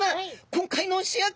今回の主役